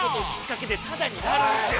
タダになるんですよ。